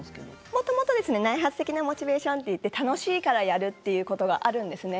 もともと内発的なモチベーションといって楽しいからやるというのがあるんですね。